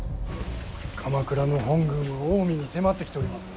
鎌倉の本軍は近江に迫ってきております。